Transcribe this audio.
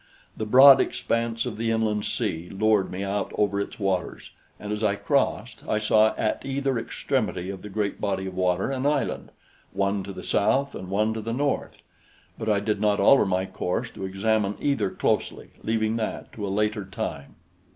The broad expanse of the inland sea lured me out over its waters, and as I crossed, I saw at either extremity of the great body of water an island one to the south and one to the north; but I did not alter my course to examine either closely, leaving that to a later time.